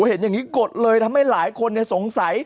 เห็นอย่างนี้กดเลยทำให้หลายคนสงสัย